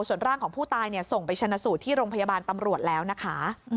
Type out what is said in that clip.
ส่วนร่างของผู้ตายส่งไปชนะสูตรที่โรงพยาบาลตำรวจแล้วนะคะ